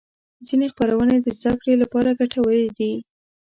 ځینې خپرونې د زدهکړې لپاره ګټورې دي.